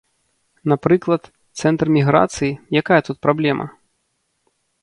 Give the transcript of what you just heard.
Напрыклад, цэнтр міграцыі, якая тут праблема?